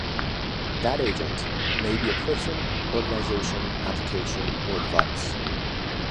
That agent may be a person, organisation, application, or device.